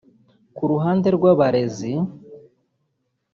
Ku ruhande rw’abarezi